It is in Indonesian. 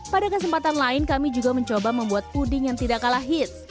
pada kesempatan lain kami juga mencoba membuat puding yang tidak kalah hit